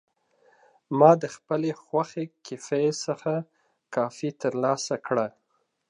ما د خپلې خوښې کیفې څخه کافي ترلاسه کړه.